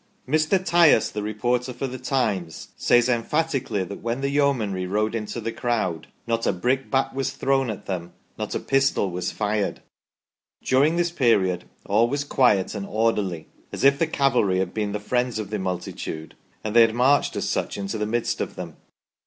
Mr. Tyas, the reporter for " The Times," says emphatically that when the Yeomanry rode into the crowd "not a brickbat was thrown at them, not a pistol was fired during this period all was quiet and orderly, as if the cavalry had been the friends of the multitude and had marched as such into the midst of them.